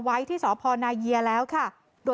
แล้วเริ่มรู้สึกว่าโดนหลอกแล้วเริ่มรู้สึกว่าโดนหลอก